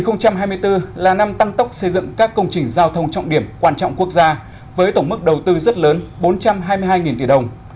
năm hai nghìn hai mươi bốn là năm tăng tốc xây dựng các công trình giao thông trọng điểm quan trọng quốc gia với tổng mức đầu tư rất lớn bốn trăm hai mươi hai tỷ đồng